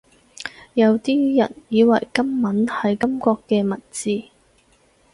有啲人以為金文係金國嘅文字